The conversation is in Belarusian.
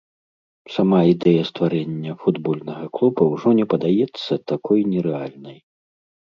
Сама ідэя стварэння футбольнага клуба ўжо не падаецца такой нерэальнай.